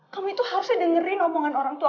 kamu itu harusnya dengerin omongan orang tua